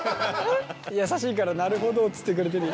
優しいからなるほどっつってくれてる。